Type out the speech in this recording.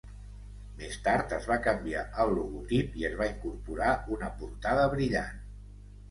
Més tard es va canviar el logotip i es va incorporar una portada brillant.